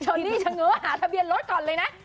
โชดี้ชะเงินหาทะเบียนรถก่อนเลยนะ